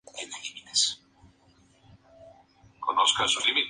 Creyendo sin duda que eran los turcos, los artilleros abrieron fuego contra los jinetes.